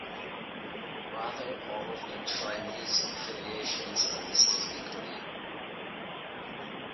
Rather, all of an enshrinee's affiliations are listed equally.